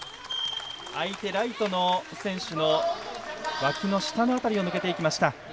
相手、ライトの選手のわきの下の辺りを抜けました。